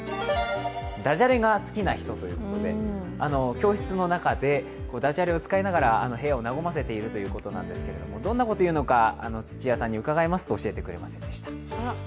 教室の中で、だじゃれを使いながら部屋を和ませているということなんですけれどもどんなことを言うのか土屋さんに伺いますと教えてくれませんでした。